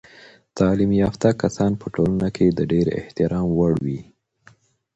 تعلیم یافته کسان په ټولنه کې د ډیر احترام وړ وي.